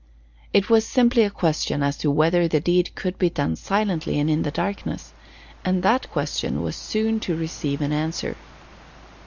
It was simply a question as to whether the deed could be done silently and in the darkness; and that question was soon to receive an answer.